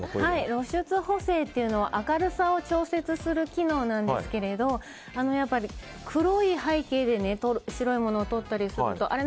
露出補正というのは明るさを調節する機能なんですが黒い背景で白いものを撮ったりするとあれ？